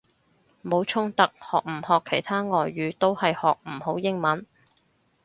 冇衝突，學唔學其他外語都係學唔好英文！